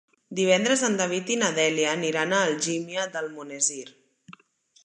Divendres en David i na Dèlia aniran a Algímia d'Almonesir.